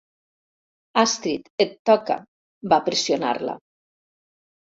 Astrid, et toca —va pressionar-la.